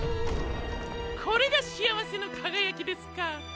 これが「しあわせのかがやき」ですか。